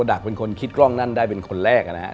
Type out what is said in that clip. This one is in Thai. โปรดรักษ์เป็นคนคิดกล้องด้านได้เป็นคนแรกนะฮะ